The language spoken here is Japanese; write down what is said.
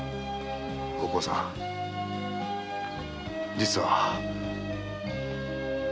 お甲さん実は。